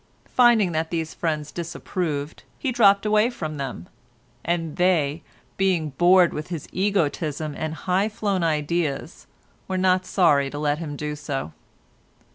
Finding that these friends disapproved, he dropped away from them, and they, being bored with his egotism and high flown ideas, were not sorry to let him do so.